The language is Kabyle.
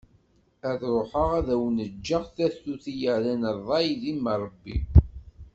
Ad ruḥeγ ad awen-ğğeγ tatut i yerran ṛṛay d imerbi.